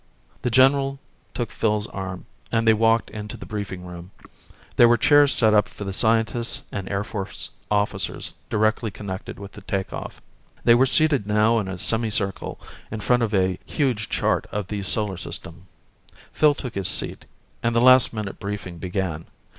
The general took Phil's arm and they walked to the briefing room. There were chairs set up for the scientists and Air Force officers directly connected with the take off. They were seated now in a semicircle in front of a huge chart of the solar system. Phil took his seat, and the last minute briefing began.